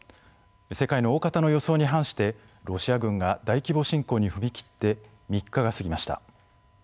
世界のおおかたの予想に反してロシア軍が大規模侵攻に踏み切って３日が過ぎました。